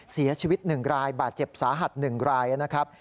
เสียชีวิต๑รายบาดเจ็บสาหัส๑รายนะครับ